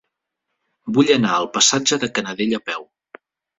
Vull anar al passatge de Canadell a peu.